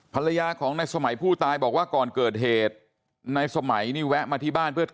ภรรยาของในสมัยผู้ตายบอกว่าก่อนเกิดเหตุในสมัยนี่แวะมาที่บ้านเพื่อ